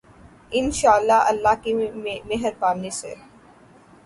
انشاء اللہ، اللہ کی مہربانی سے۔